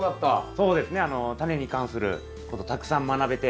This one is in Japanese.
そうですねタネに関することたくさん学べて。